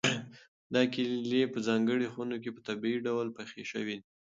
دا کیلې په ځانګړو خونو کې په طبیعي ډول پخې شوي دي.